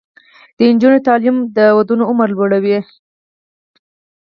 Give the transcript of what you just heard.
د نجونو تعلیم د ودونو عمر لوړوي.